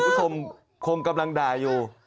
คุณผู้ชมคงกำลังด่าอยู่